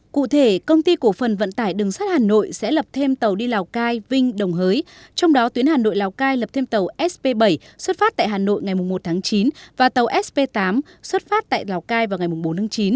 cụ thể công ty cổ phần vận tải đường sắt hà nội sẽ lập thêm tàu đi lào cai vinh đồng hới trong đó tuyến hà nội lào cai lập thêm tàu sp bảy xuất phát tại hà nội ngày một tháng chín và tàu sp tám xuất phát tại lào cai vào ngày bốn tháng chín